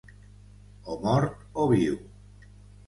O mort o viu.